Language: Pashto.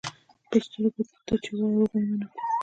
پۀ سترګو، تۀ چې وایې وبۀ یې منم.